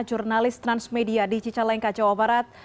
jurnalis transmedia di cicaleng kacau barat